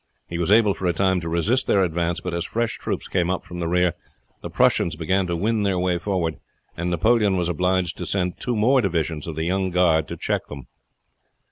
He was able for a time to resist their advance; but as fresh troops came up from the rear the Prussians began to win their way forward, and Napoleon was obliged to send two more divisions of the Young Guard to check them.